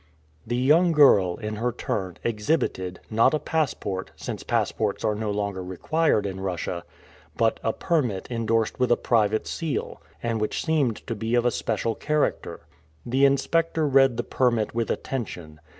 The young girl in her turn, exhibited, not a passport, since passports are no longer required in Russia, but a permit indorsed with a private seal, and which seemed to be of a special character. The inspector read the permit with attention.